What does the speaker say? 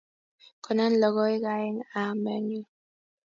Konon logoek aeng' aam anyun